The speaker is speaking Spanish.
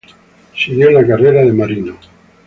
Siguió la carrera de marino.